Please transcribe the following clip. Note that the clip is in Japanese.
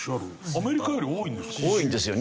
アメリカより多いんですか？